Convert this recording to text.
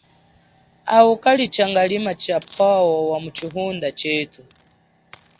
Awu kali changalima cha phowo wamu chihunda chethu.